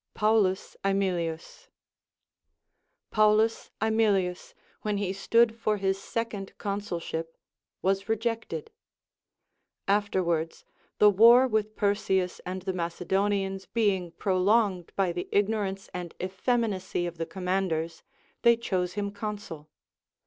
Paulus Aemilius. Paulus Aemilius, Λvhen he stood for his second consulship, was rejected. Afterwards, the war with Perseus and the Macedonians being prolonged by the ignorance and effeminacy of the commanders, they chose him consul.